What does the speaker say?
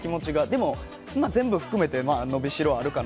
全部含めて、のびしろあるかな